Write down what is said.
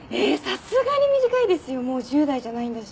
さすがに短いですよもう１０代じゃないんだし。